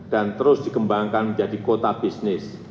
dan terus dikembangkan menjadi kota bisnis